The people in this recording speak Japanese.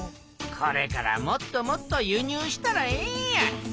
これからもっともっと輸入したらええんや。